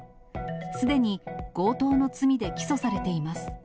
すでに強盗の罪で起訴されています。